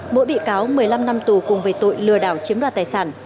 mỗi bị cáo một mươi năm năm tù cùng về tội lừa đảo chiếm đoạt tài sản